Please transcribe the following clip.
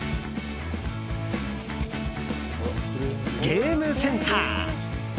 ゲームセンター！